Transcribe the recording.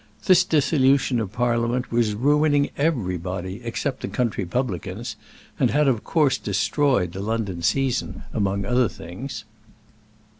This dissolution of Parliament was ruining everybody except the country publicans, and had of course destroyed the London season among other things.